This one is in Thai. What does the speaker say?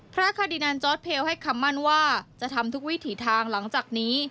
คาดินันจอร์ดเพลให้คำมั่นว่าจะทำทุกวิถีทางหลังจากนี้